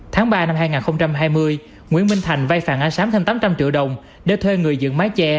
tháng ba năm hai nghìn hai mươi nguyễn minh thành vay phạm a sám thêm tám trăm linh triệu đồng để thuê người dựng mái che